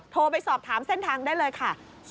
โทรไปสอบถามเส้นทางได้เลยค่ะ